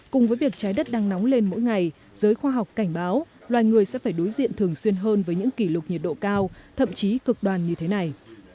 cùng với việc trái đất đang nóng lên mỗi ngày giới khoa học cảnh báo loài người sẽ phải đối diện thường xuyên hơn với những kỷ lục nhiệt độ cao thậm chí cực đoan như thế này